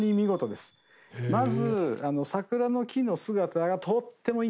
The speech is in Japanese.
まず。